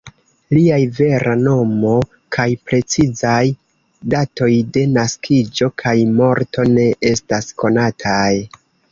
Liaj vera nomo kaj precizaj datoj de naskiĝo kaj morto ne estas konataj.